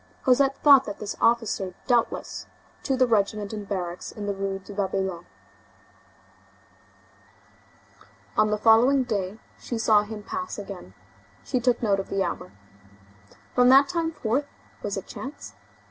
Cosette thought that this officer doubtless belonged to the regiment in barracks in the Rue de Babylone. On the following day, she saw him pass again. She took note of the hour. From that time forth, was it chance?